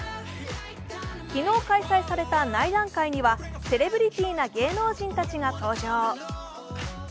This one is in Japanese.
昨日開催された内覧会には、セレブリティーな芸能人たちが登場。